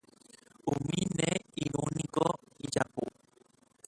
Umi ne irũniko ijapu.